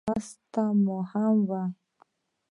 کاش چې وس هم ته وای